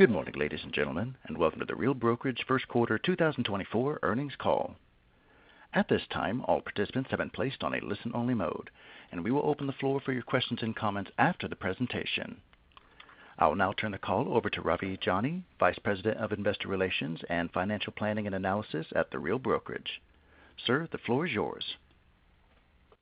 Good morning, ladies and gentlemen, and welcome to The Real Brokerage First Quarter 2024 Earnings Call. At this time, all participants have been placed on a listen-only mode, and we will open the floor for your questions and comments after the presentation. I will now turn the call over to Ravi Jani, Vice President of Investor Relations and Financial Planning and Analysis at The Real Brokerage. Sir, the floor is yours.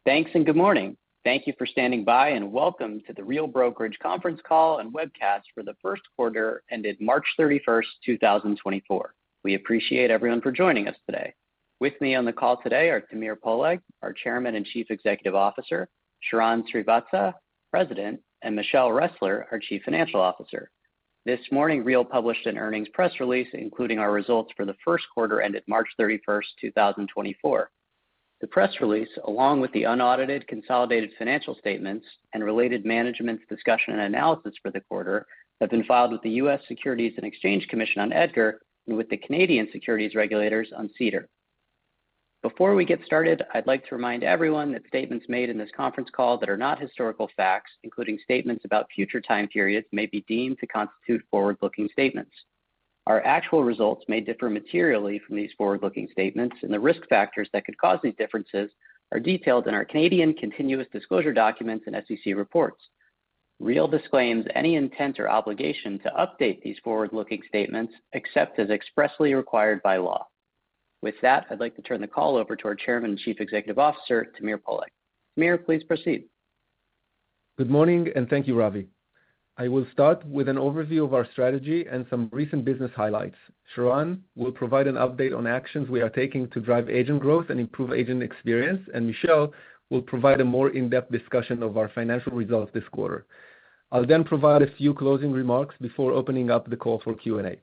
Thanks, and good morning. Thank you for standing by, and welcome to the Real Brokerage conference call and webcast for the first quarter ended March 31st, 2024. We appreciate everyone for joining us today. With me on the call today are Tamir Poleg, our Chairman and Chief Executive Officer, Sharran Srivatsaa, President, and Michelle Ressler, our Chief Financial Officer. This morning, Real published an earnings press release, including our results for the first quarter ended March 31st, 2024. The press release, along with the unaudited consolidated financial statements and related management's discussion and analysis for the quarter, have been filed with the U.S. Securities and Exchange Commission on EDGAR and with the Canadian Securities Regulators on SEDAR. Before we get started, I'd like to remind everyone that statements made in this conference call that are not historical facts, including statements about future time periods, may be deemed to constitute forward-looking statements. Our actual results may differ materially from these forward-looking statements, and the risk factors that could cause these differences are detailed in our Canadian continuous disclosure documents and SEC reports. Real disclaims any intent or obligation to update these forward-looking statements, except as expressly required by law. With that, I'd like to turn the call over to our Chairman and Chief Executive Officer, Tamir Poleg. Tamir, please proceed. Good morning, and thank you, Ravi. I will start with an overview of our strategy and some recent business highlights. Sharran will provide an update on actions we are taking to drive agent growth and improve agent experience, and Michelle will provide a more in-depth discussion of our financial results this quarter. I'll then provide a few closing remarks before opening up the call for Q&A.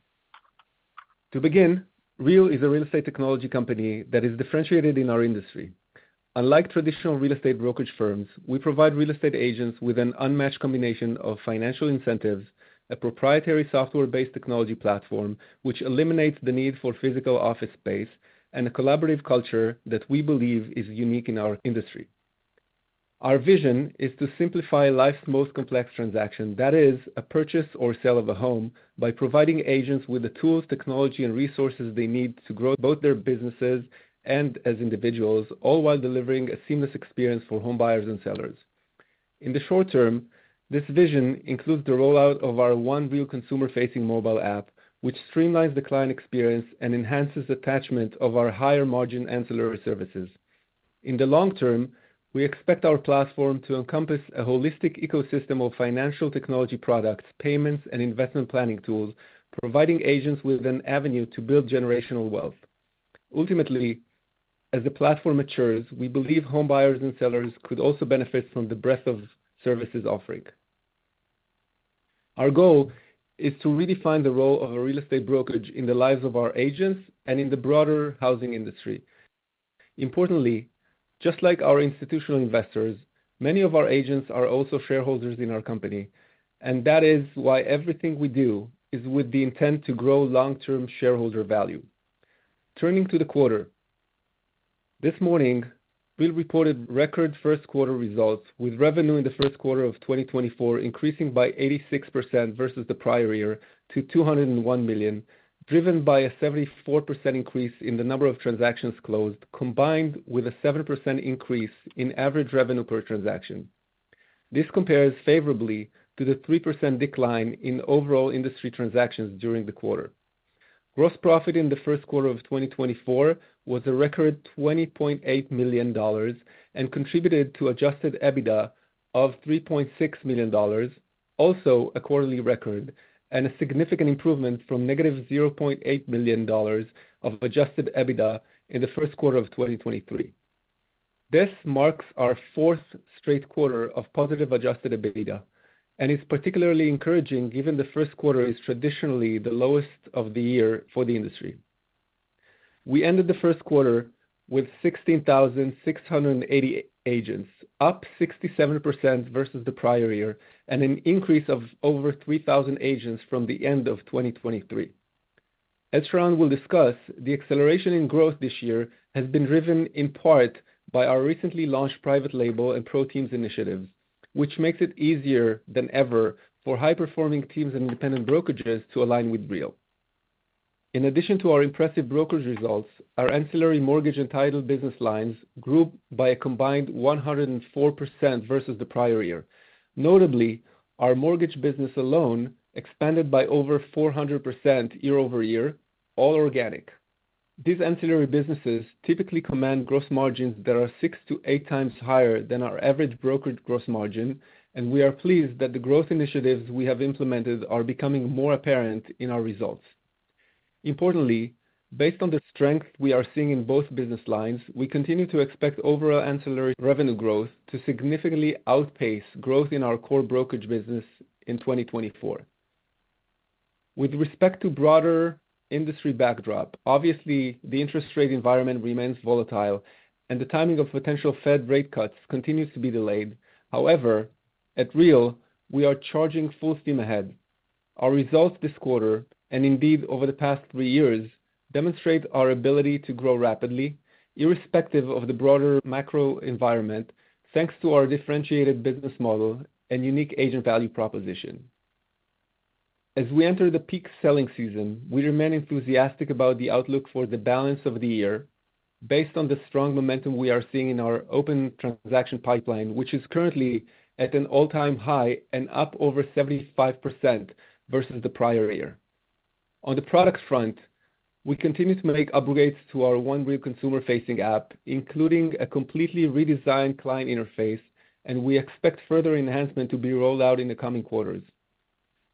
To begin, Real is a real estate technology company that is differentiated in our industry. Unlike traditional real estate brokerage firms, we provide real estate agents with an unmatched combination of financial incentives, a proprietary software-based technology platform, which eliminates the need for physical office space, and a collaborative culture that we believe is unique in our industry. Our vision is to simplify life's most complex transaction, that is, a purchase or sale of a home, by providing agents with the tools, technology, and resources they need to grow both their businesses and as individuals, all while delivering a seamless experience for home buyers and sellers. In the short term, this vision includes the rollout of our One Real consumer-facing mobile app, which streamlines the client experience and enhances attachment of our higher-margin ancillary services. In the long term, we expect our platform to encompass a holistic ecosystem of financial technology products, payments, and investment planning tools, providing agents with an avenue to build generational wealth. Ultimately, as the platform matures, we believe home buyers and sellers could also benefit from the breadth of services offering. Our goal is to redefine the role of a real estate brokerage in the lives of our agents and in the broader housing industry. Importantly, just like our institutional investors, many of our agents are also shareholders in our company, and that is why everything we do is with the intent to grow long-term shareholder value. Turning to the quarter. This morning, Real reported record first-quarter results, with revenue in the first quarter of 2024 increasing by 86% versus the prior year to $201 million, driven by a 74% increase in the number of transactions closed, combined with a 7% increase in average revenue per transaction. This compares favorably to the 3% decline in overall industry transactions during the quarter. Gross profit in the first quarter of 2024 was a record $20.8 million and contributed to adjusted EBITDA of $3.6 million, also a quarterly record and a significant improvement from -$0.8 million of adjusted EBITDA in the first quarter of 2023. This marks our fourth straight quarter of positive adjusted EBITDA and is particularly encouraging, given the first quarter is traditionally the lowest of the year for the industry. We ended the first quarter with 16,680 agents, up 67% versus the prior year, and an increase of over 3,000 agents from the end of 2023. As Sharran will discuss, the acceleration in growth this year has been driven in part by our recently launched Private Label and ProTeams initiatives, which makes it easier than ever for high-performing teams and independent brokerages to align with Real. In addition to our impressive brokerage results, our ancillary mortgage and title business lines grew by a combined 104% versus the prior year. Notably, our mortgage business alone expanded by over 400% year-over-year, all organic. These ancillary businesses typically command gross margins that are six to eight times higher than our average brokerage gross margin, and we are pleased that the growth initiatives we have implemented are becoming more apparent in our results. Importantly, based on the strength we are seeing in both business lines, we continue to expect overall ancillary revenue growth to significantly outpace growth in our core brokerage business in 2024. With respect to broader industry backdrop, obviously, the interest rate environment remains volatile, and the timing of potential Fed rate cuts continues to be delayed. However, at Real, we are charging full steam ahead. Our results this quarter, and indeed over the past three years, demonstrate our ability to grow rapidly, irrespective of the broader macro environment, thanks to our differentiated business model and unique agent value proposition. As we enter the peak selling season, we remain enthusiastic about the outlook for the balance of the year, based on the strong momentum we are seeing in our open transaction pipeline, which is currently at an all-time high and up over 75% versus the prior year. On the product front, we continue to make upgrades to our One Real consumer-facing app, including a completely redesigned client interface, and we expect further enhancement to be rolled out in the coming quarters.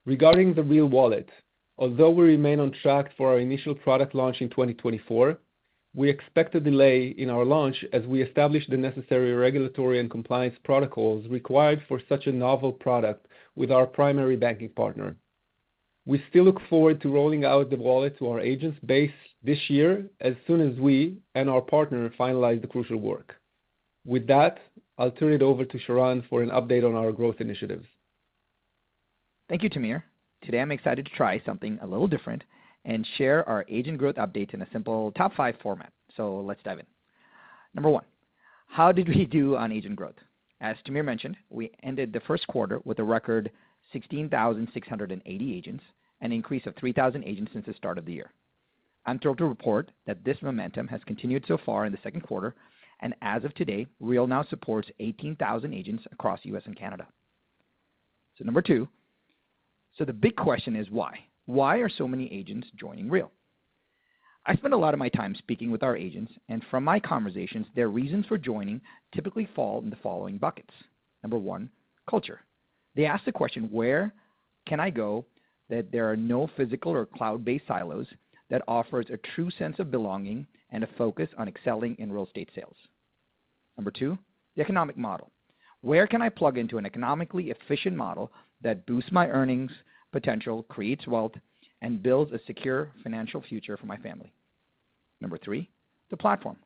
Regarding the Real Wallet, although we remain on track for our initial product launch in 2024, we expect a delay in our launch as we establish the necessary regulatory and compliance protocols required for such a novel product with our primary banking partner. We still look forward to rolling out the wallet to our agents base this year, as soon as we and our partner finalize the crucial work. With that, I'll turn it over to Sharran for an update on our growth initiatives. Thank you, Tamir. Today, I'm excited to try something a little different and share our agent growth updates in a simple top five format. So let's dive in. Number one, how did we do on agent growth? As Tamir mentioned, we ended the first quarter with a record 16,680 agents, an increase of 3,000 agents since the start of the year. I'm thrilled to report that this momentum has continued so far in the second quarter, and as of today, Real now supports 18,000 agents across U.S. and Canada. So number two, so the big question is why? Why are so many agents joining Real? I spend a lot of my time speaking with our agents, and from my conversations, their reasons for joining typically fall in the following buckets. Number one, culture. They ask the question, "Where can I go, that there are no physical or cloud-based silos that offers a true sense of belonging and a focus on excelling in real estate sales?" Number two, the economic model. "Where can I plug into an economically efficient model that boosts my earnings potential, creates wealth, and builds a secure financial future for my family?" Number three, the platform.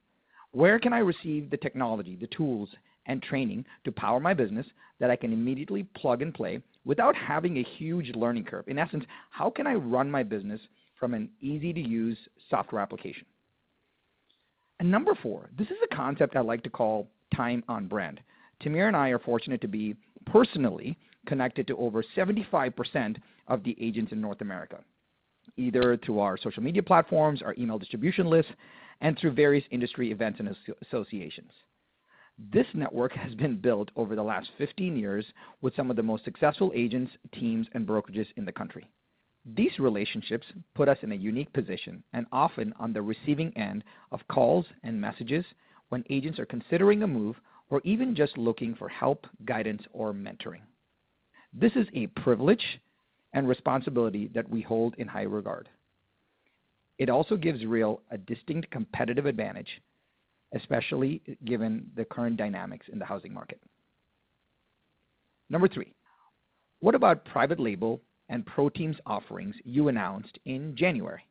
"Where can I receive the technology, the tools and training to power my business that I can immediately plug and play without having a huge learning curve? In essence, how can I run my business from an easy-to-use software application?" And number four, this is a concept I like to call time on brand. Tamir and I are fortunate to be personally connected to over 75% of the agents in North America, either through our social media platforms, our email distribution lists, and through various industry events and associations. This network has been built over the last 15 years with some of the most successful agents, teams, and brokerages in the country. These relationships put us in a unique position and often on the receiving end of calls and messages when agents are considering a move or even just looking for help, guidance, or mentoring. This is a privilege and responsibility that we hold in high regard. It also gives Real a distinct competitive advantage, especially given the current dynamics in the housing market. Number three, what about Private Label and ProTeams offerings you announced in January?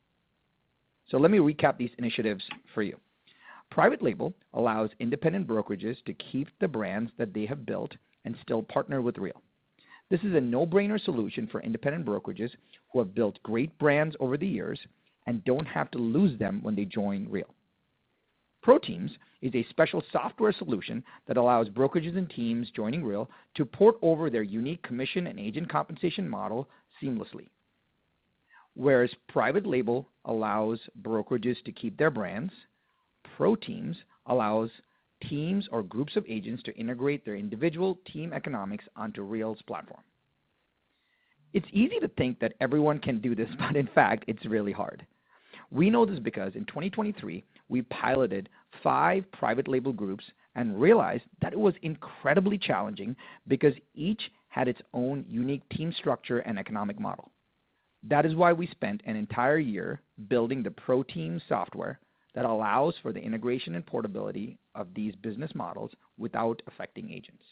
So let me recap these initiatives for you. Private Label allows independent brokerages to keep the brands that they have built and still partner with Real. This is a no-brainer solution for independent brokerages who have built great brands over the years and don't have to lose them when they join Real. ProTeams is a special software solution that allows brokerages and teams joining Real to port over their unique commission and agent compensation model seamlessly. Whereas Private Label allows brokerages to keep their brands, ProTeams allows teams or groups of agents to integrate their individual team economics onto Real's platform. It's easy to think that everyone can do this, but in fact, it's really hard. We know this because in 2023, we piloted five Private Label groups and realized that it was incredibly challenging because each had its own unique team structure and economic model. That is why we spent an entire year building the ProTeams software that allows for the integration and portability of these business models without affecting agents.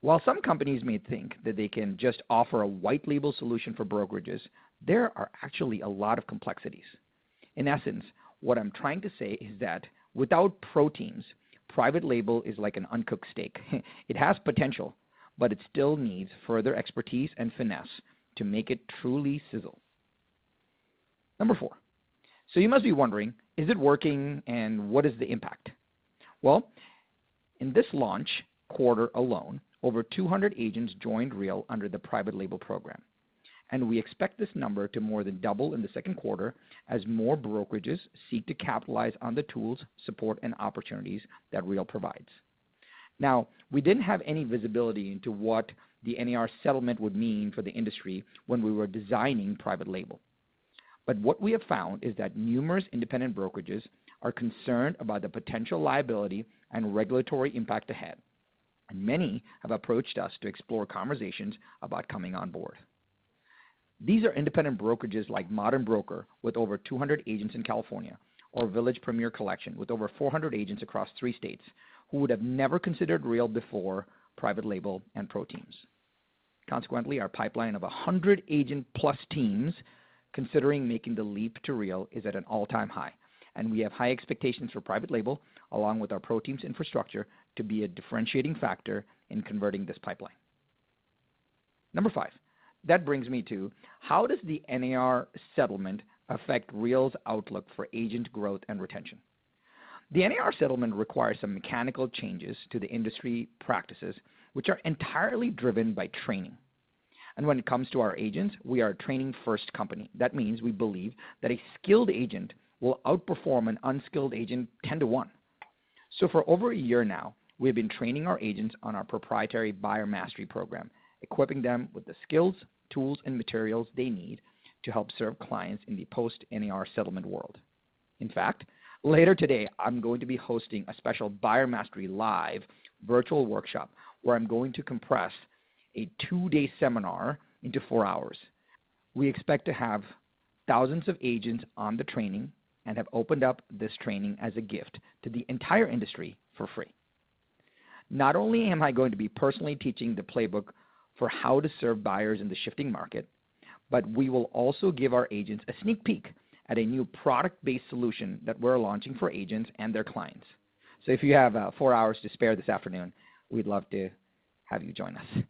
While some companies may think that they can just offer a white label solution for brokerages, there are actually a lot of complexities. In essence, what I'm trying to say is that without ProTeams, Private Label is like an uncooked steak. It has potential, but it still needs further expertise and finesse to make it truly sizzle. Number four, so you must be wondering, is it working and what is the impact? Well, in this launch quarter alone, over 200 agents joined Real under the Private Label program, and we expect this number to more than double in the second quarter as more brokerages seek to capitalize on the tools, support, and opportunities that Real provides. Now, we didn't have any visibility into what the NAR settlement would mean for the industry when we were designing Private Label, but what we have found is that numerous independent brokerages are concerned about the potential liability and regulatory impact ahead, and many have approached us to explore conversations about coming on board. These are independent brokerages, like Modern Broker, with over 200 agents in California, or Village Premier Collection with over 400 agents across three states, who would have never considered Real before Private Label and ProTeams. Consequently, our pipeline of 100+ agent teams considering making the leap to Real is at an all-time high, and we have high expectations for Private Label, along with our ProTeams infrastructure, to be a differentiating factor in converting this pipeline. Number five, that brings me to: how does the NAR settlement affect Real's outlook for agent growth and retention? The NAR settlement requires some mechanical changes to the industry practices, which are entirely driven by training. And when it comes to our agents, we are a training-first company. That means we believe that a skilled agent will outperform an unskilled agent 10 to one. So for over a year now, we've been training our agents on our proprietary Buyer Mastery program, equipping them with the skills, tools, and materials they need to help serve clients in the post-NAR settlement world. In fact, later today, I'm going to be hosting a special Buyer Mastery Live virtual workshop, where I'm going to compress a two day seminar into four hours. We expect to have thousands of agents on the training and have opened up this training as a gift to the entire industry for free. Not only am I going to be personally teaching the playbook for how to serve buyers in the shifting market, but we will also give our agents a sneak peek at a new product-based solution that we're launching for agents and their clients. So if you have four hours to spare this afternoon, we'd love to have you join us.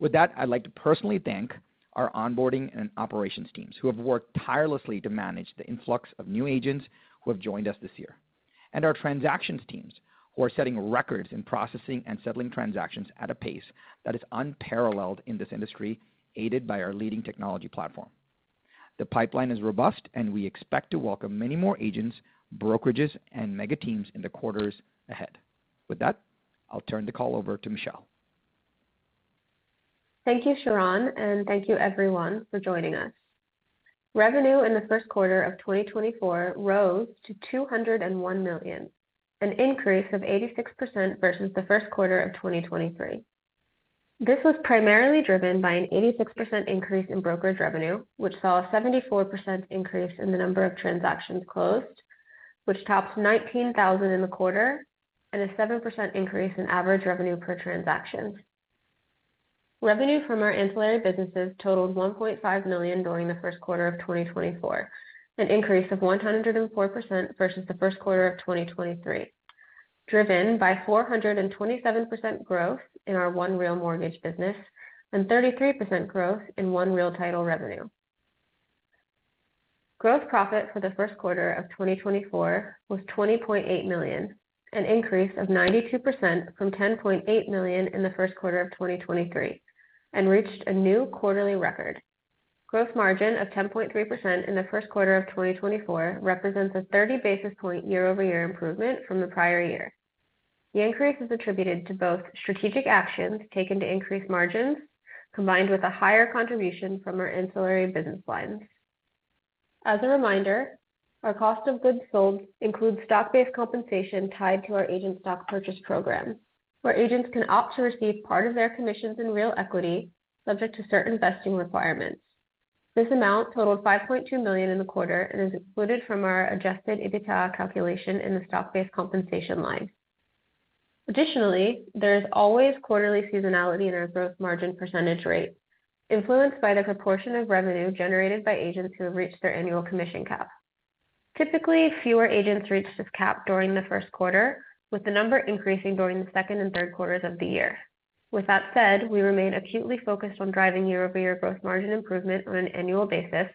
With that, I'd like to personally thank our onboarding and operations teams, who have worked tirelessly to manage the influx of new agents who have joined us this year, and our transactions teams, who are setting records in processing and settling transactions at a pace that is unparalleled in this industry, aided by our leading technology platform. The pipeline is robust, and we expect to welcome many more agents, brokerages, and mega teams in the quarters ahead. With that, I'll turn the call over to Michelle. Thank you, Sharran, and thank you, everyone, for joining us. Revenue in the first quarter of 2024 rose to $201 million, an increase of 86% versus the first quarter of 2023. This was primarily driven by an 86% increase in brokerage revenue, which saw a 74% increase in the number of transactions closed, which topped 19,000 in the quarter, and a 7% increase in average revenue per transaction. Revenue from our ancillary businesses totaled $1.5 million during the first quarter of 2024, an increase of 104% versus the first quarter of 2023, driven by 427% growth in our One Real Mortgage business and 33% growth in One Real Title revenue. Gross profit for the first quarter of 2024 was $20.8 million, an increase of 92% from $10.8 million in the first quarter of 2023, and reached a new quarterly record. Gross margin of 10.3% in the first quarter of 2024 represents a 30 basis point year-over-year improvement from the prior year. The increase is attributed to both strategic actions taken to increase margins, combined with a higher contribution from our ancillary business lines. As a reminder, our cost of goods sold includes stock-based compensation tied to our agent stock purchase program, where agents can opt to receive part of their commissions in Real equity, subject to certain vesting requirements. This amount totaled $5.2 million in the quarter and is excluded from our adjusted EBITDA calculation in the stock-based compensation line. Additionally, there is always quarterly seasonality in our gross margin percentage rate, influenced by the proportion of revenue generated by agents who have reached their annual commission cap. Typically, fewer agents reach this cap during the first quarter, with the number increasing during the second and third quarters of the year. With that said, we remain acutely focused on driving year-over-year gross margin improvement on an annual basis,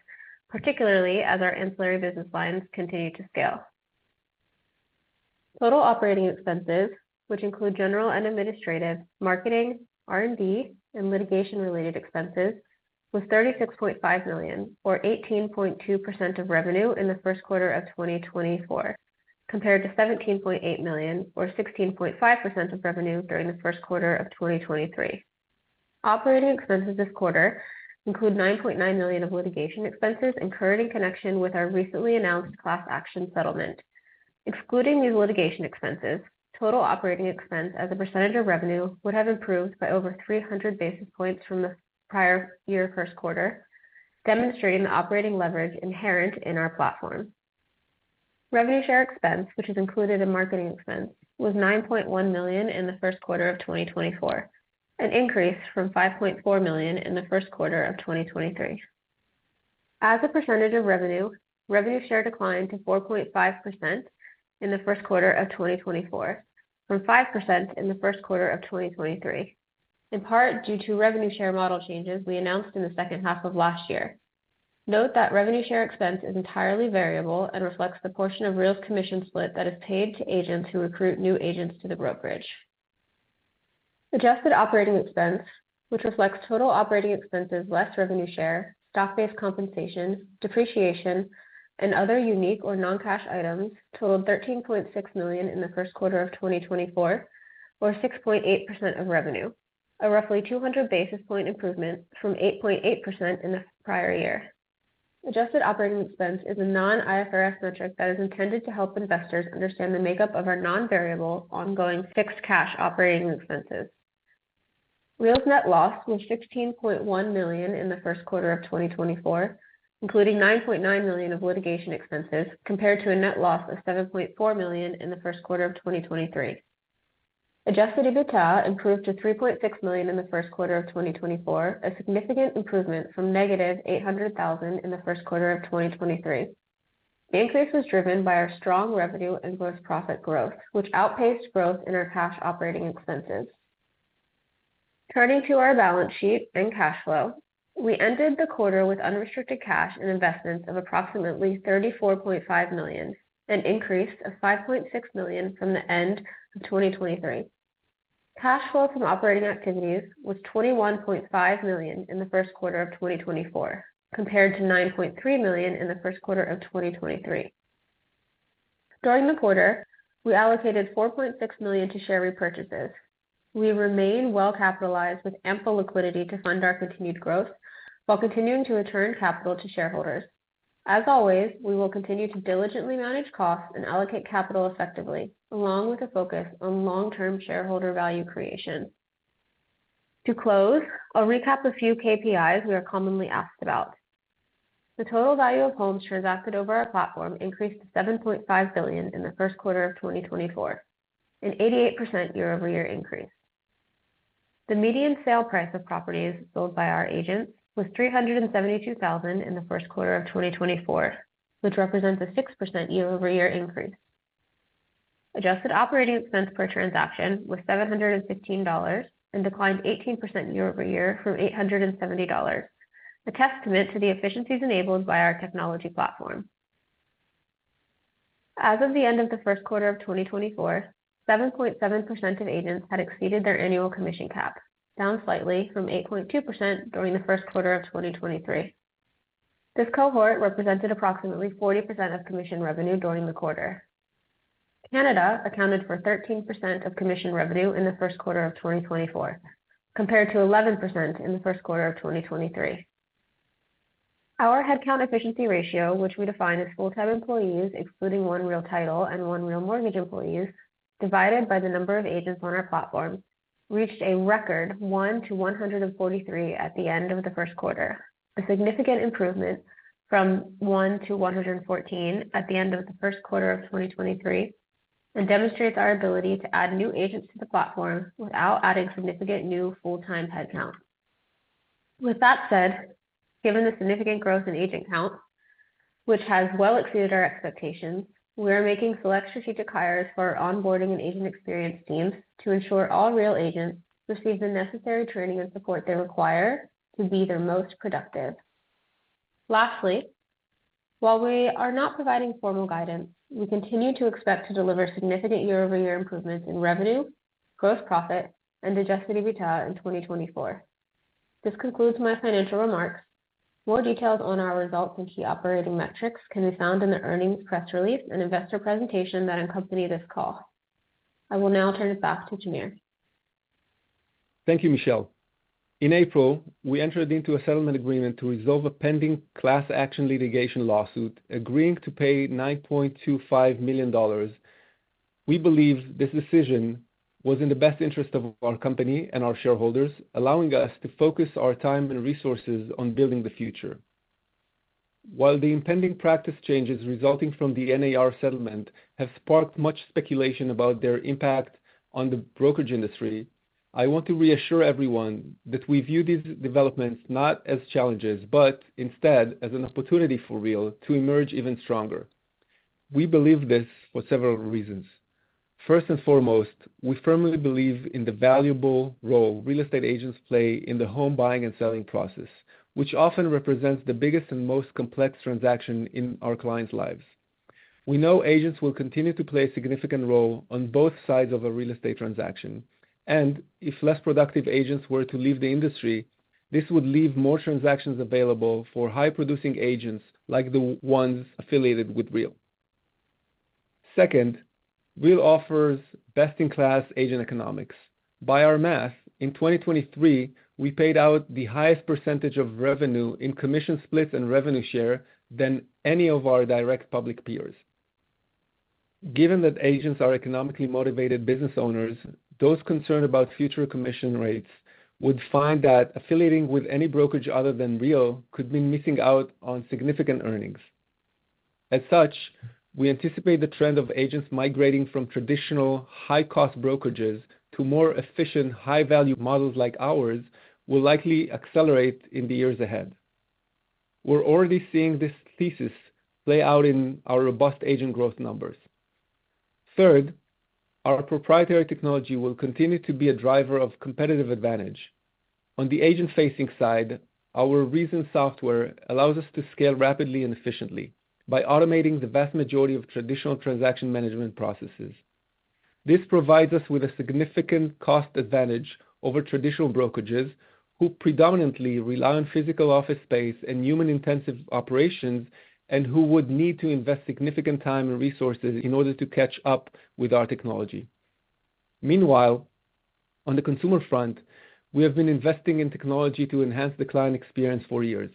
particularly as our ancillary business lines continue to scale. Total operating expenses, which include general and administrative, marketing, R&D, and litigation-related expenses, was $36.5 million, or 18.2% of revenue, in the first quarter of 2024, compared to $17.8 million, or 16.5% of revenue, during the first quarter of 2023. Operating expenses this quarter include $9.9 million of litigation expenses incurred in connection with our recently announced class action settlement. Excluding these litigation expenses, total operating expense as a percentage of revenue would have improved by over 300 basis points from the prior year first quarter, demonstrating the operating leverage inherent in our platform. Revenue share expense, which is included in marketing expense, was $9.1 million in the first quarter of 2024, an increase from $5.4 million in the first quarter of 2023. As a percentage of revenue, revenue share declined to 4.5% in the first quarter of 2024, from 5% in the first quarter of 2023, in part due to revenue share model changes we announced in the second half of last year. Note that revenue share expense is entirely variable and reflects the portion of Real's commission split that is paid to agents who recruit new agents to the brokerage. Adjusted operating expense, which reflects total operating expenses less revenue share, stock-based compensation, depreciation, and other unique or non-cash items, totaled $13.6 million in the first quarter of 2024, or 6.8% of revenue, a roughly 200 basis point improvement from 8.8% in the prior year. Adjusted operating expense is a non-IFRS metric that is intended to help investors understand the makeup of our non-variable, ongoing fixed cash operating expenses. Real's net loss was $16.1 million in the first quarter of 2024, including $9.9 million of litigation expenses, compared to a net loss of $7.4 million in the first quarter of 2023. Adjusted EBITDA improved to $3.6 million in the first quarter of 2024, a significant improvement from -$800,000 in the first quarter of 2023. The increase was driven by our strong revenue and gross profit growth, which outpaced growth in our cash operating expenses. Turning to our balance sheet and cash flow, we ended the quarter with unrestricted cash and investments of approximately $34.5 million, an increase of $5.6 million from the end of 2023. Cash flow from operating activities was $21.5 million in the first quarter of 2024, compared to $9.3 million in the first quarter of 2023. During the quarter, we allocated $4.6 million to share repurchases. We remain well capitalized with ample liquidity to fund our continued growth, while continuing to return capital to shareholders. As always, we will continue to diligently manage costs and allocate capital effectively, along with a focus on long-term shareholder value creation. To close, I'll recap a few KPIs we are commonly asked about. The total value of homes transacted over our platform increased to $7.5 billion in the first quarter of 2024, an 88% year-over-year increase. The median sale price of properties sold by our agents was $372,000 in the first quarter of 2024, which represents a 6% year-over-year increase. Adjusted operating expense per transaction was $715 and declined 18% year-over-year from $870. A testament to the efficiencies enabled by our technology platform. As of the end of the first quarter of 2024, 7.7% of agents had exceeded their annual commission cap, down slightly from 8.2% during the first quarter of 2023. This cohort represented approximately 40% of commission revenue during the quarter. Canada accounted for 13% of commission revenue in the first quarter of 2024, compared to 11% in the first quarter of 2023. Our headcount efficiency ratio, which we define as full-time employees, excluding One Real Title and One Real Mortgage employees, divided by the number of agents on our platform, reached a record 1:143 at the end of the first quarter. A significant improvement from 1:114 at the end of the first quarter of 2023, and demonstrates our ability to add new agents to the platform without adding significant new full-time headcount. With that said, given the significant growth in agent count, which has well exceeded our expectations, we are making select strategic hires for our onboarding and agent experience teams to ensure all Real agents receive the necessary training and support they require to be their most productive. Lastly, while we are not providing formal guidance, we continue to expect to deliver significant year-over-year improvements in revenue, gross profit, and adjusted EBITDA in 2024. This concludes my financial remarks. More details on our results and key operating metrics can be found in the earnings press release and investor presentation that accompany this call. I will now turn it back to Samir. Thank you, Michelle. In April, we entered into a settlement agreement to resolve a pending class action litigation lawsuit, agreeing to pay $9.25 million. We believe this decision was in the best interest of our company and our shareholders, allowing us to focus our time and resources on building the future. While the impending practice changes resulting from the NAR settlement have sparked much speculation about their impact on the brokerage industry, I want to reassure everyone that we view these developments not as challenges, but instead as an opportunity for Real to emerge even stronger. We believe this for several reasons. First and foremost, we firmly believe in the valuable role real estate agents play in the home buying and selling process, which often represents the biggest and most complex transaction in our clients' lives. We know agents will continue to play a significant role on both sides of a real estate transaction, and if less productive agents were to leave the industry, this would leave more transactions available for high-producing agents like the ones affiliated with Real. Second, Real offers best-in-class agent economics. By our math, in 2023, we paid out the highest percentage of revenue in commission splits and revenue share than any of our direct public peers. Given that agents are economically motivated business owners, those concerned about future commission rates would find that affiliating with any brokerage other than Real could mean missing out on significant earnings. As such, we anticipate the trend of agents migrating from traditional high-cost brokerages to more efficient, high-value models like ours will likely accelerate in the years ahead. We're already seeing this thesis play out in our robust agent growth numbers. Third, our proprietary technology will continue to be a driver of competitive advantage. On the agent-facing side, our recent software allows us to scale rapidly and efficiently by automating the vast majority of traditional transaction management processes. This provides us with a significant cost advantage over traditional brokerages, who predominantly rely on physical office space and human-intensive operations, and who would need to invest significant time and resources in order to catch up with our technology. Meanwhile, on the consumer front, we have been investing in technology to enhance the client experience for years.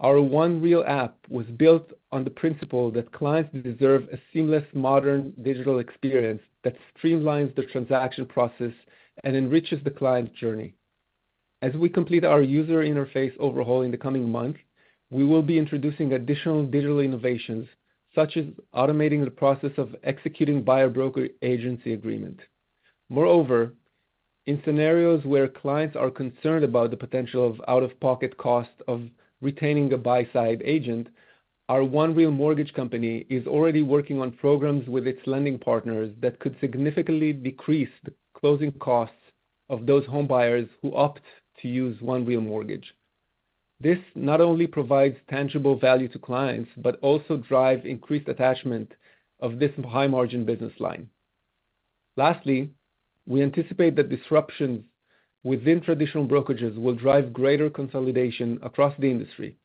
Our One Real app was built on the principle that clients deserve a seamless, modern, digital experience that streamlines the transaction process and enriches the client journey. As we complete our user interface overhaul in the coming months, we will be introducing additional digital innovations, such as automating the process of executing buyer broker agency agreement. In scenarios where clients are concerned about the potential of out-of-pocket costs of retaining a buy-side agent, our One Real Mortgage company is already working on programs with its lending partners that could significantly decrease the closing costs of those home buyers who opt to use One Real Mortgage. This not only provides tangible value to clients, but also drives increased attachment of this high-margin business line. Lastly, we anticipate that disruptions within traditional brokerages will drive greater consolidation across the industry.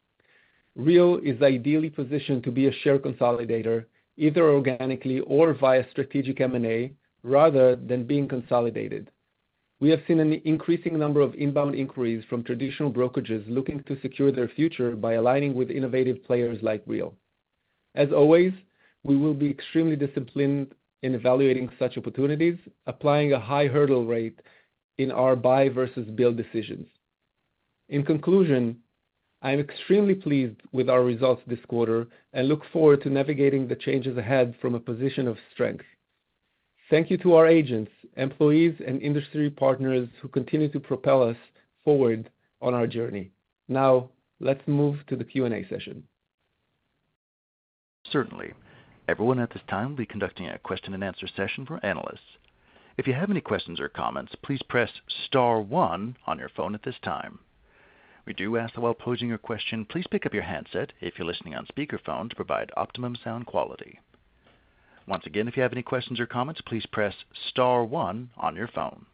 Real is ideally positioned to be a share consolidator, either organically or via strategic M&A, rather than being consolidated. We have seen an increasing number of inbound inquiries from traditional brokerages looking to secure their future by aligning with innovative players like Real. As always, we will be extremely disciplined in evaluating such opportunities, applying a high hurdle rate in our buy versus build decisions. In conclusion, I am extremely pleased with our results this quarter and look forward to navigating the changes ahead from a position of strength. Thank you to our agents, employees, and industry partners who continue to propel us forward on our journey. Now, let's move to the Q&A session. Certainly. Everyone at this time, we'll be conducting a question and answer session for analysts. If you have any questions or comments, please press star one on your phone at this time. We do ask that while posing your question, please pick up your handset if you're listening on speakerphone to provide optimum sound quality. Once again, if you have any questions or comments, please press star one on your phone.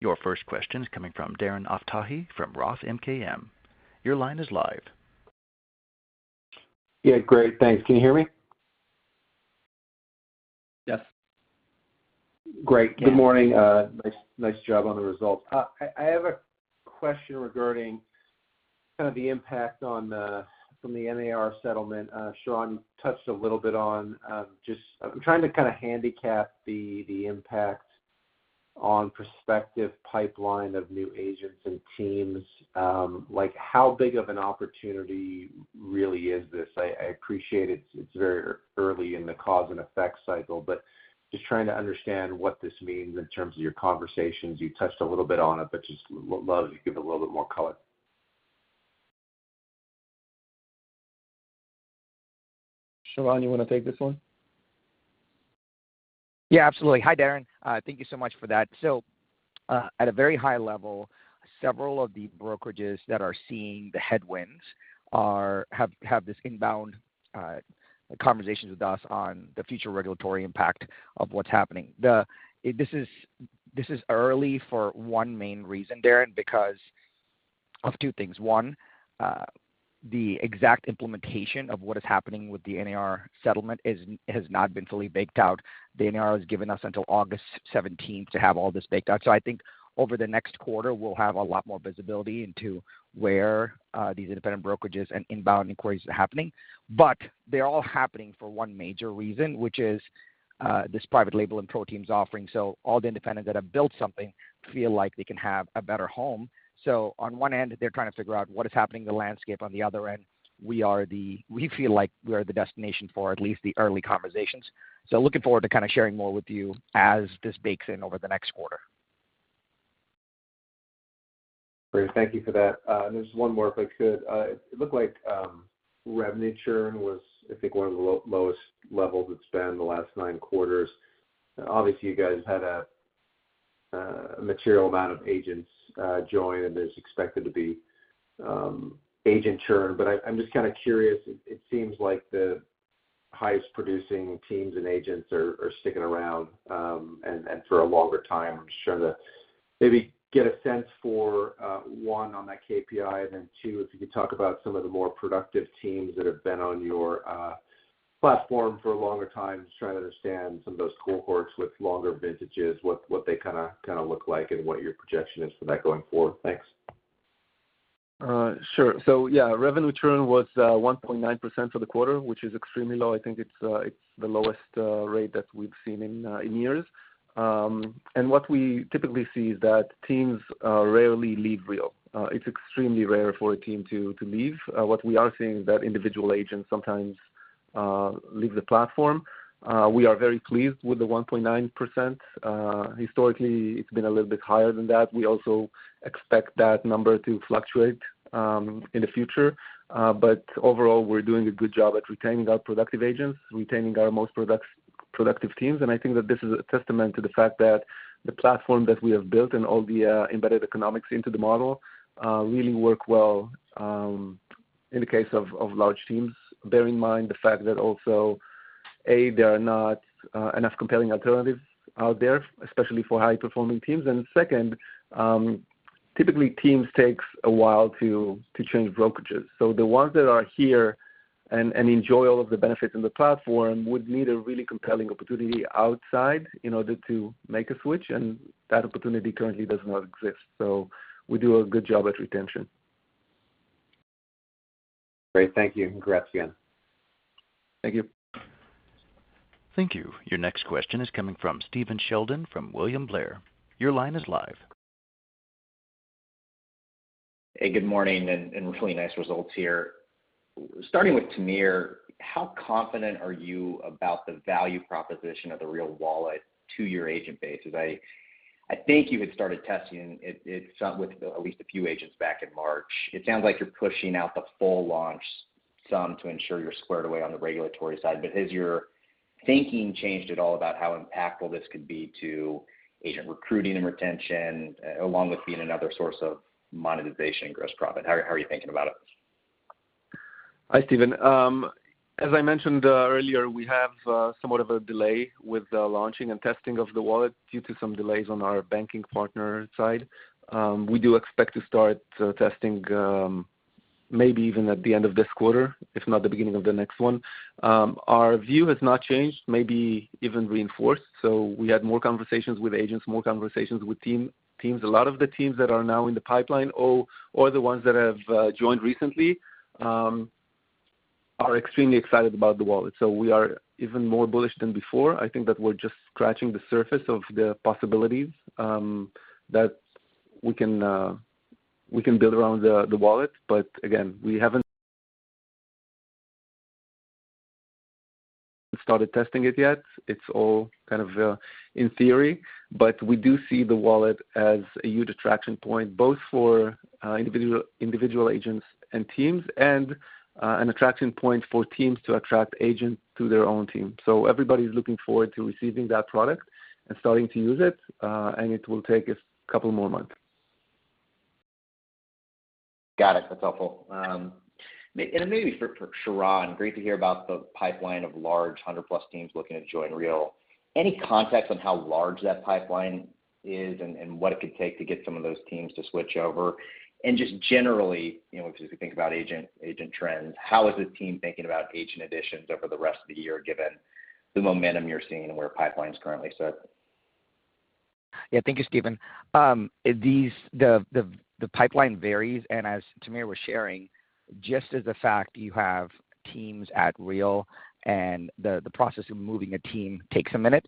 Your first question is coming from Darren Aftahi from Roth MKM. Your line is live. Yeah, great, thanks. Can you hear me? Yes. Great. Good morning. Nice job on the results. I have a question regarding kind of the impact on from the NAR settlement. Sharran touched a little bit on just. I'm trying to kind of handicap the impact on prospective pipeline of new agents and teams. Like, how big of an opportunity really is this? I appreciate it's very early in the cause and effect cycle, but just trying to understand what this means in terms of your conversations. You touched a little bit on it, but just would love you to give a little bit more color. Sharran, you want to take this one? Yeah, absolutely. Hi, Darren. Thank you so much for that. So, at a very high level, several of the brokerages that are seeing the headwinds have this inbound conversations with us on the future regulatory impact of what's happening. This is early for one main reason, Darren, because of two things. One, the exact implementation of what is happening with the NAR settlement has not been fully baked out. The NAR has given us until August 17th to have all this baked out. So I think over the next quarter, we'll have a lot more visibility into where these independent brokerages and inbound inquiries are happening. But they're all happening for one major reason, which is this Private Label and ProTeams offering. So all the independents that have built something feel like they can have a better home. So on one end, they're trying to figure out what is happening in the landscape. On the other end, we feel like we are the destination for at least the early conversations. So looking forward to kind of sharing more with you as this bakes in over the next quarter. Great. Thank you for that. And just one more, if I could. It looked like revenue churn was, I think, one of the lowest levels it's been in the last nine quarters. Obviously, you guys had a material amount of agents join, and there's expected to be agent churn. But I'm just kind of curious, it seems like the highest-producing teams and agents are sticking around and for a longer time. I'm just trying to maybe get a sense for, one, on that KPI, and then two, if you could talk about some of the more productive teams that have been on your platform for a longer time. Just trying to understand some of those cohorts with longer vintages, what they kind of look like and what your projection is for that going forward. Thanks. Sure. So yeah, revenue churn was 1.9% for the quarter, which is extremely low. I think it's the lowest rate that we've seen in years. And what we typically see is that teams rarely leave Real. It's extremely rare for a team to leave. What we are seeing is that individual agents sometimes leave the platform. We are very pleased with the 1.9%. Historically, it's been a little bit higher than that. We also expect that number to fluctuate in the future. But overall, we're doing a good job at retaining our productive agents, retaining our most productive teams. I think that this is a testament to the fact that the platform that we have built and all the embedded economics into the model really work well in the case of large teams. Bear in mind the fact that also there are not enough compelling alternatives out there, especially for high-performing teams. And second, typically, teams takes a while to change brokerages. So the ones that are here and enjoy all of the benefits in the platform would need a really compelling opportunity outside in order to make a switch, and that opportunity currently does not exist. So we do a good job at retention. Great. Thank you, and congrats again. Thank you. Thank you. Your next question is coming from Stephen Sheldon from William Blair. Your line is live. Hey, good morning, and really nice results here. Starting with Tamir, how confident are you about the value proposition of the Real Wallet to your agent base? As I think you had started testing it with some at least a few agents back in March. It sounds like you're pushing out the full launch so as to ensure you're squared away on the regulatory side. But has your thinking changed at all about how impactful this could be to agent recruiting and retention, along with being another source of monetization and gross profit? How are you thinking about it? Hi, Stephen. As I mentioned earlier, we have somewhat of a delay with the launching and testing of the wallet due to some delays on our banking partner side. We do expect to start testing maybe even at the end of this quarter, if not the beginning of the next one. Our view has not changed, maybe even reinforced. So we had more conversations with agents, more conversations with team. A lot of the teams that are now in the pipeline or the ones that have joined recently are extremely excited about the wallet. So we are even more bullish than before. I think that we're just scratching the surface of the possibilities that we can we can build around the the wallet. But again, we haven't started testing it yet. It's all kind of in theory, but we do see the wallet as a huge attraction point, both for individual, individual agents and teams, and an attraction point for teams to attract agents to their own team. So everybody's looking forward to receiving that product and starting to use it, and it will take us a couple more months. Got it. That's helpful. And maybe for Sharran, great to hear about the pipeline of large 100+ teams looking to join Real. Any context on how large that pipeline is and what it could take to get some of those teams to switch over? And just generally, you know, as you think about agent trends, how is the team thinking about agent additions over the rest of the year, given the momentum you're seeing and where pipeline's currently set? Yeah. Thank you, Stephen. These. The pipeline varies, and as Tamir was sharing, just the fact you have teams at Real and the process of moving a team takes a minute,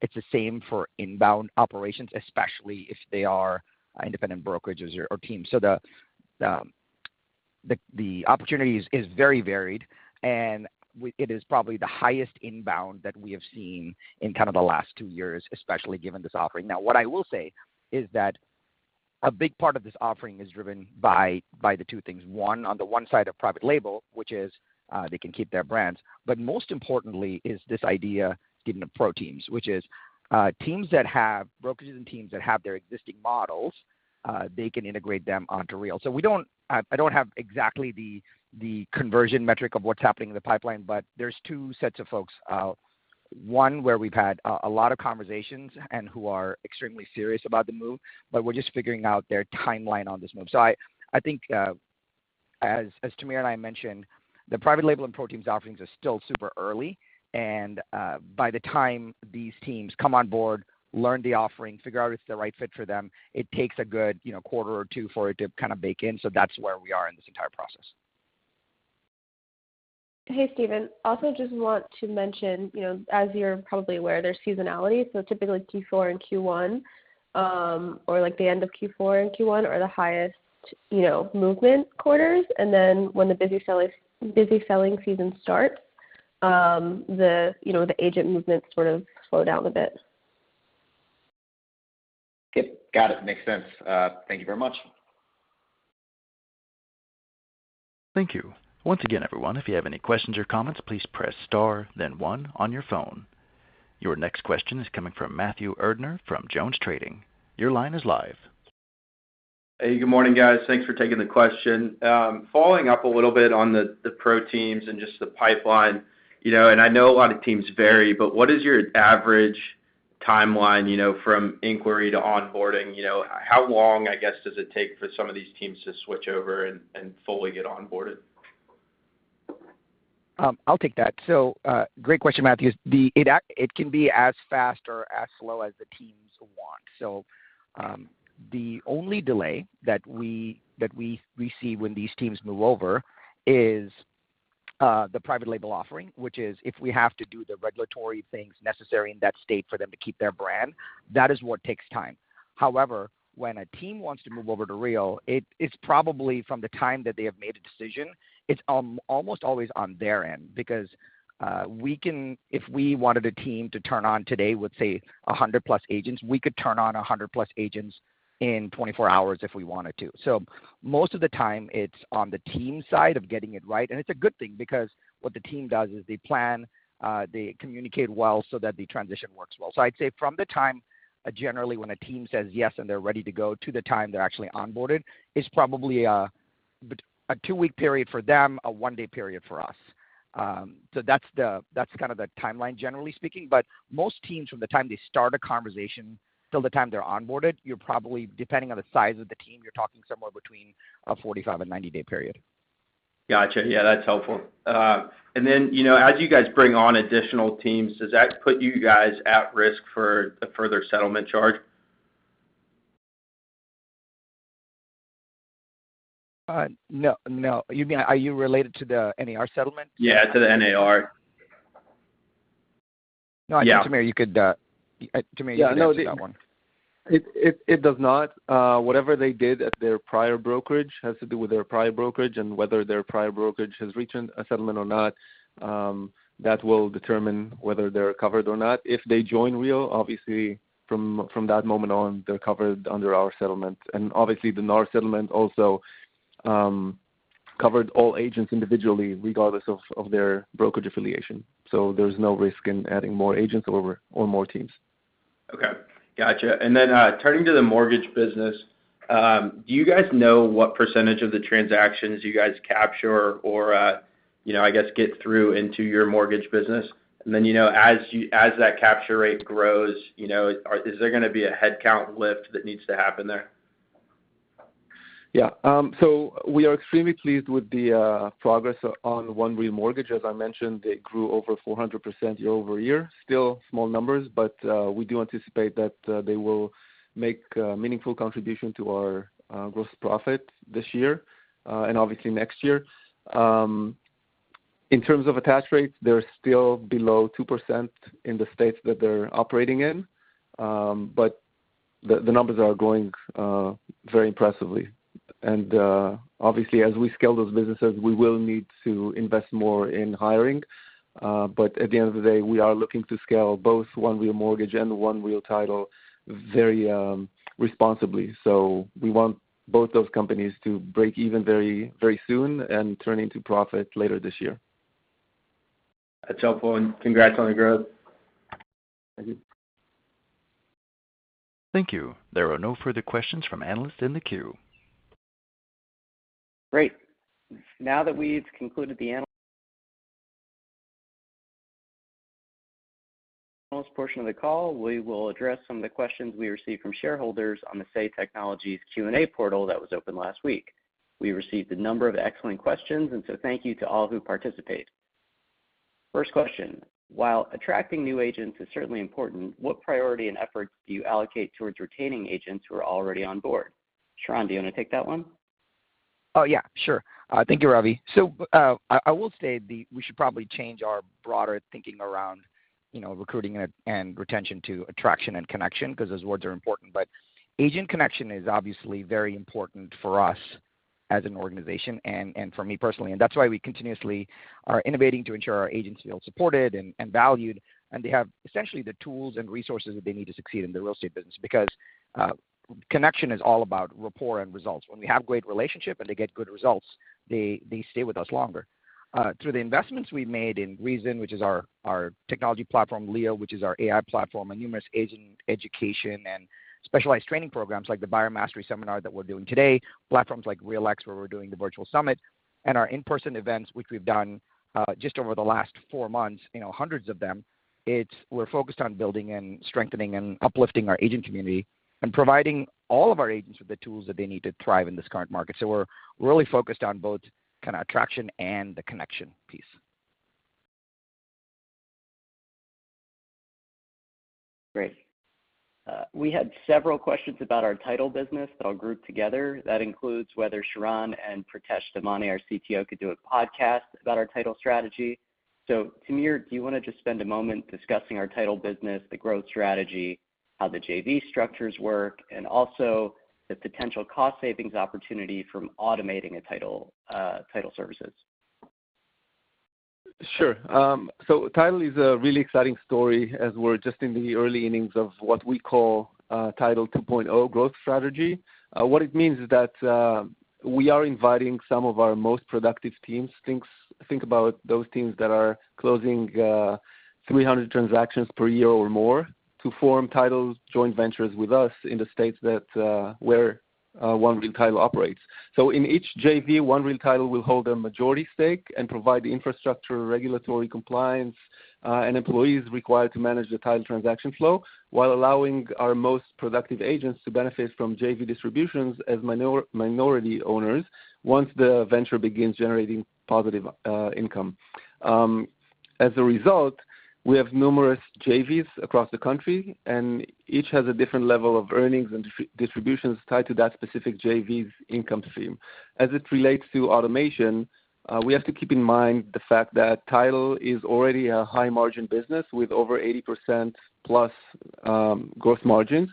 it's the same for inbound operations, especially if they are independent brokerages or teams. So the opportunity is very varied, and it is probably the highest inbound that we have seen in kind of the last two years, especially given this offering. Now, what I will say is that a big part of this offering is driven by the two things. One, on the one side of Private Label, which is, they can keep their brands, but most importantly is this idea given the ProTeams, which is, teams that have brokerages and teams that have their existing models, they can integrate them onto Real. So we don't, I don't have exactly the conversion metric of what's happening in the pipeline, but there's two sets of folks. One, where we've had a lot of conversations and who are extremely serious about the move, but we're just figuring out their timeline on this move. So I think, as Tamir and I mentioned, the Private Label and ProTeams offerings are still super early, and by the time these teams come on board, learn the offering, figure out if it's the right fit for them, it takes a good, you know, quarter or two for it to kind of bake in. So that's where we are in this entire process. Hey, Stephen, also just want to mention, you know, as you're probably aware, there's seasonality, so typically Q4 and Q1, or like the end of Q4 and Q1 are the highest, you know, movement quarters. Then when the busy selling season starts, you know, the agent movements sort of slow down a bit. Yep, got it. Makes sense. Thank you very much. Thank you. Once again, everyone, if you have any questions or comments, please press Star then one on your phone. Your next question is coming from Matthew Erdner from JonesTrading. Your line is live. Hey, good morning, guys. Thanks for taking the question. Following up a little bit on the ProTeams and just the pipeline, you know, and I know a lot of teams vary, but what is your average timeline, you know, from inquiry to onboarding? You know, how long, I guess, does it take for some of these teams to switch over and fully get onboarded? I'll take that. So, great question, Matthew. It can be as fast or as slow as the teams want. So, the only delay that we see when these teams move over is the Private Label offering, which is if we have to do the regulatory things necessary in that state for them to keep their brand, that is what takes time. However, when a team wants to move over to Real, it's probably from the time that they have made a decision, it's almost always on their end. Because, we can. If we wanted a team to turn on today with, say, 100+ agents, we could turn on 100+ agents in 24 hours if we wanted to. So most of the time, it's on the team side of getting it right, and it's a good thing because what the team does is they plan, they communicate well so that the transition works well. So I'd say from the time, generally when a team says yes, and they're ready to go, to the time they're actually onboarded, is probably a two-week period for them, a one-day period for us. So that's kind of the timeline, generally speaking. But most teams, from the time they start a conversation till the time they're onboarded, you're probably, depending on the size of the team, you're talking somewhere between a 45 and 90-day period. Gotcha. Yeah, that's helpful. And then, you know, as you guys bring on additional teams, does that put you guys at risk for a further settlement charge? No, no. You mean, are you related to the NAR settlement? Yeah, to the NAR. No, I think, Tamir, you could, Tamir, you can answer that one. It does not. Whatever they did at their prior brokerage has to do with their prior brokerage, and whether their prior brokerage has reached a settlement or not, that will determine whether they're covered or not. If they join Real, obviously, from that moment on, they're covered under our settlement. And obviously, the NAR settlement also covered all agents individually, regardless of their brokerage affiliation. So there's no risk in adding more agents over or more teams. Okay. Gotcha. And then, turning to the mortgage business, do you guys know what percentage of the transactions you guys capture or, you know, I guess, get through into your mortgage business? And then, you know, as that capture rate grows, you know, is there gonna be a headcount lift that needs to happen there? Yeah. So we are extremely pleased with the progress on One Real Mortgage. As I mentioned, they grew over 400% year-over-year. Still small numbers, but we do anticipate that they will make a meaningful contribution to our gross profit this year, and obviously next year. In terms of attach rates, they're still below 2% in the states that they're operating in, but the numbers are growing very impressively. And obviously, as we scale those businesses, we will need to invest more in hiring, but at the end of the day, we are looking to scale both One Real Mortgage and One Real Title very responsibly. So we want both those companies to break even very, very soon and turn into profit later this year. That's helpful, and congrats on the growth. Thank you. Thank you. There are no further questions from analysts in the queue. Great. Now that we've concluded the analyst portion of the call, we will address some of the questions we received from shareholders on the Say Technologies Q&A portal that was open last week. We received a number of excellent questions, and so thank you to all who participated. First question: While attracting new agents is certainly important, what priority and efforts do you allocate towards retaining agents who are already on board? Sharran, do you want to take that one? Oh, yeah, sure. Thank you, Ravi. So, I will say we should probably change our broader thinking around, you know, recruiting and retention to attraction and connection, 'cause those words are important. But agent connection is obviously very important for us as an organization and for me personally, and that's why we continuously are innovating to ensure our agents feel supported and valued, and they have essentially the tools and resources that they need to succeed in the real estate business. Because, connection is all about rapport and results. When we have great relationship and they get good results, they stay with us longer. Through the investments we've made in reZEN, which is our, our technology platform, Leo, which is our AI platform, and numerous agent education and specialized training programs like the Buyer Mastery Seminar that we're doing today, platforms like REALx, where we're doing the virtual summit, and our in-person events, which we've done, just over the last four months, you know, hundreds of them, it's, we're focused on building and strengthening and uplifting our agent community and providing all of our agents with the tools that they need to thrive in this current market. So we're really focused on both kind of attraction and the connection piece. Great. We had several questions about our title business that I'll group together. That includes whether Sharran and Pritesh Damani, our CTO, could do a podcast about our title strategy. So, Tamir, do you wanna just spend a moment discussing our title business, the growth strategy, how the JV structures work, and also the potential cost savings opportunity from automating a title, title services? Sure. So title is a really exciting story, as we're just in the early innings of what we call, Title 2.0 growth strategy. What it means is that we are inviting some of our most productive teams, think about those teams that are closing 300 transactions per year or more, to form titles joint ventures with us in the states that where One Real Title operates. So in each JV, One Real Title will hold a majority stake and provide the infrastructure, regulatory compliance, and employees required to manage the title transaction flow, while allowing our most productive agents to benefit from JV distributions as minority owners once the venture begins generating positive income. As a result, we have numerous JVs across the country, and each has a different level of earnings and distributions tied to that specific JV's income stream. As it relates to automation, we have to keep in mind the fact that title is already a high-margin business with over 80%+ gross margins.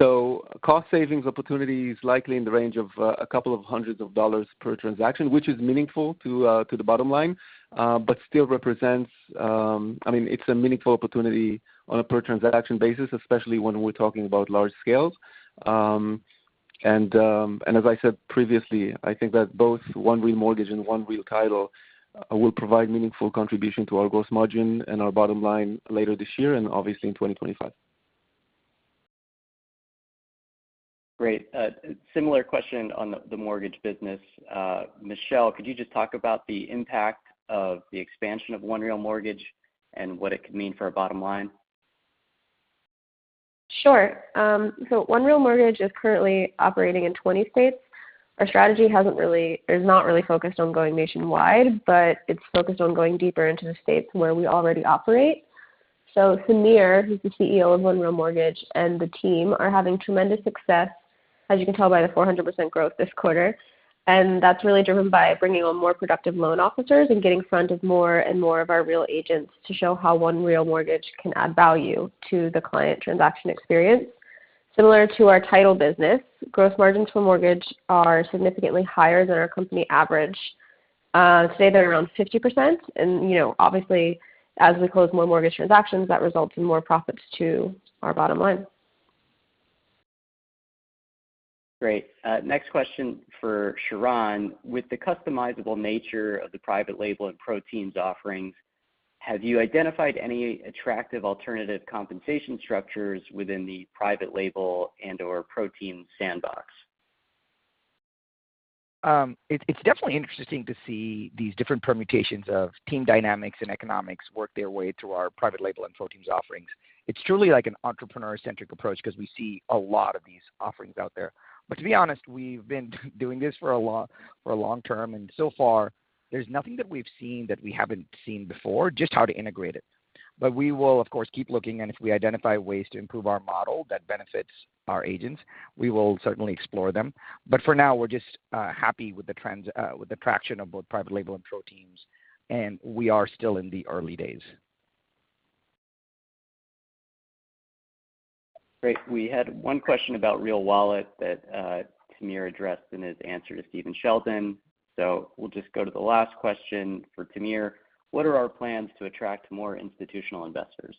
So cost savings opportunity is likely in the range of a couple of hundreds of dollars per transaction, which is meaningful to the bottom line, but still represents, I mean, it's a meaningful opportunity on a per transaction basis, especially when we're talking about large scales. And as I said previously, I think that both One Real Mortgage and One Real Title will provide meaningful contribution to our gross margin and our bottom line later this year and obviously in 2025. Great. Similar question on the mortgage business. Michelle, could you just talk about the impact of the expansion of One Real Mortgage and what it could mean for our bottom line? Sure. So One Real Mortgage is currently operating in 20 states. Our strategy is not really focused on going nationwide, but it's focused on going deeper into the states where we already operate. So Samir, who's the CEO of One Real Mortgage, and the team are having tremendous success as you can tell by the 400% growth this quarter, and that's really driven by bringing on more productive loan officers and getting in front of more and more of our Real agents to show how One Real Mortgage can add value to the client transaction experience. Similar to our title business, gross margins for mortgage are significantly higher than our company average. Say they're around 50%, and, you know, obviously, as we close more mortgage transactions, that results in more profits to our bottom line. Great. Next question for Sharran. With the customizable nature of the Private Label and ProTeams offerings, have you identified any attractive alternative compensation structures within the Private Label and or ProTeams sandbox? It's definitely interesting to see these different permutations of team dynamics and economics work their way through our Private Label and ProTeams offerings. It's truly like an entrepreneur-centric approach because we see a lot of these offerings out there. But to be honest, we've been doing this for a long term, and so far there's nothing that we've seen that we haven't seen before, just how to integrate it. But we will, of course, keep looking, and if we identify ways to improve our model that benefits our agents, we will certainly explore them. But for now, we're just happy with the trends, with the traction of both Private Label and ProTeams, and we are still in the early days. Great. We had one question about Real Wallet that, Tamir addressed in his answer to Stephen Sheldon. So we'll just go to the last question for Tamir. What are our plans to attract more institutional investors?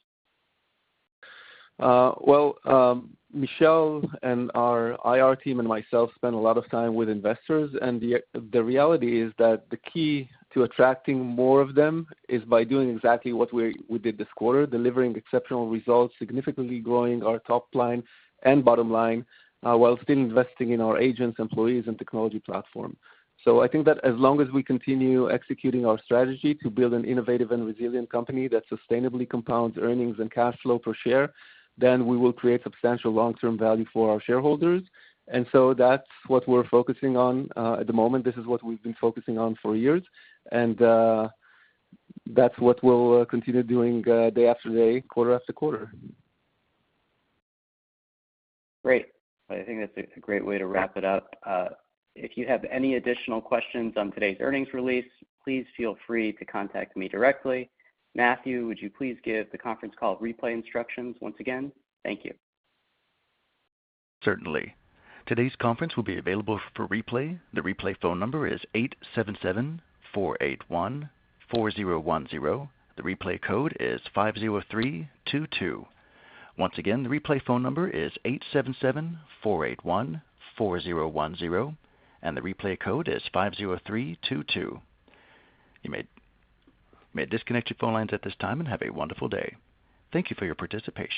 Well, Michelle and our IR team and myself spend a lot of time with investors, and the reality is that the key to attracting more of them is by doing exactly what we did this quarter, delivering exceptional results, significantly growing our top line and bottom line, while still investing in our agents, employees, and technology platform. So I think that as long as we continue executing our strategy to build an innovative and resilient company that sustainably compounds earnings and cash flow per share, then we will create substantial long-term value for our shareholders. And so that's what we're focusing on at the moment. This is what we've been focusing on for years, and that's what we'll continue doing day after day, quarter after quarter. Great. I think that's a great way to wrap it up. If you have any additional questions on today's earnings release, please feel free to contact me directly. Matthew, would you please give the conference call replay instructions once again? Thank you. Certainly. Today's conference will be available for replay. The replay phone number is 877-481-4010. The replay code is 50322. Once again, the replay phone number is 877-481-4010, and the replay code is 50322. You may disconnect your phone lines at this time and have a wonderful day. Thank you for your participation.